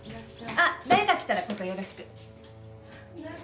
あっ誰か来たらここよろしく。